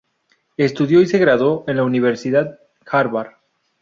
Estudió y se graduó en la Universidad Harvard.